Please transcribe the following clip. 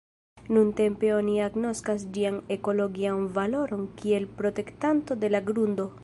Nuntempe oni agnoskas ĝian ekologian valoron kiel protektanto de la grundo.